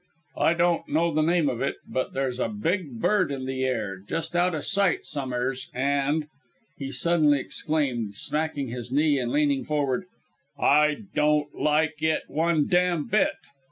I don't know the name of it, but there's a big Bird in the air, just out of sight som'eres, and," he suddenly exclaimed, smacking his knee and leaning forward, "I don't like it one dam' bit."